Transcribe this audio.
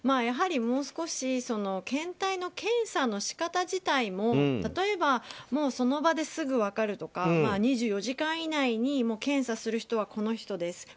もう少し検体の検査の仕方自体も例えば、その場ですぐ分かるとか２４時間以内に検査する人はこの人です。